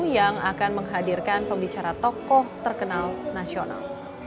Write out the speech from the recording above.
yang akan menghadirkan pembicara tokoh terkenal nasional